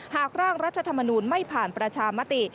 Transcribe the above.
หากร่างรัฐธรรมนูลไม่ผ่านประชามติ